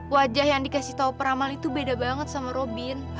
wajah yang dikasih tahu peramal itu beda banget sama robin